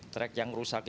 trek yang rusak itu